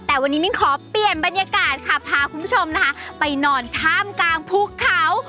แต่วันนี้มิ้นขอเปลี่ยนบรรยากาศค่ะพาคุณผู้ชมนะคะไปนอนท่ามกลางภูเขา